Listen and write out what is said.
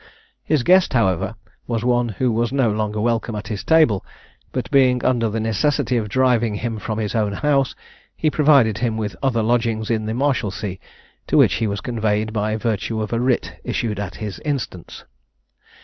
His guest, however, was one who was no longer welcome at his table, but being under the necessity of driving him from his own house, he provided him with other lodgings in the Marshalsea, to which he was conveyed by virtue of a writ issued at his instance.